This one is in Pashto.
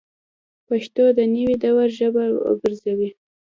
پښتو د نوي دور ژبه وګرځوئ